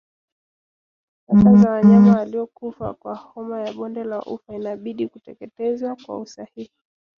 Taka za wanyama waliokufa kwa homa ya bonde la ufa inabidi kuteketezwa kwa usahihi